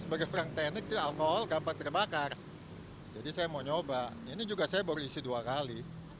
sebagai orang teknik di alkohol gampang terbakar jadi saya mau nyoba ini juga saya berisi dua kali